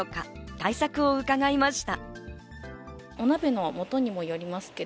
対策を伺いました。